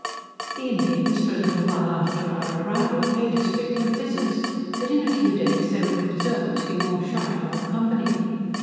The Indians for a little while after our arrival paid us frequent visits, but in a few days they were observed to be more shy of our company.